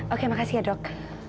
oke makasih ya dok